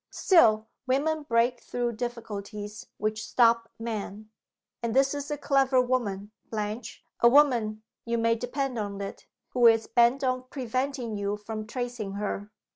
Still, women break through difficulties which stop men. And this is a clever woman, Blanche a woman, you may depend on it, who is bent on preventing you from tracing her.